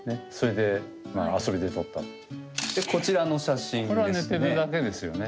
でこちらの写真ですね。